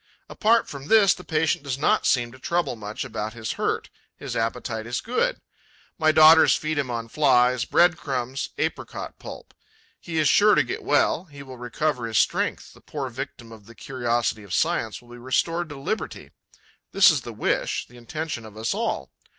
Apart from this, the patient does not seem to trouble much about his hurt; his appetite is good. My daughters feed him on Flies, bread crumb, apricot pulp. He is sure to get well, he will recover his strength; the poor victim of the curiosity of science will be restored to liberty. This is the wish, the intention of us all.